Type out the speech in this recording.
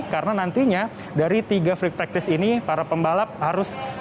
karena nantinya dari tiga free practice ini para pembalap harus mencatatkan waktu